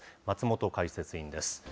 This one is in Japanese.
松本解説委員です。